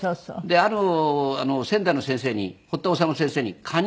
ある仙台の先生に堀田修先生にカニ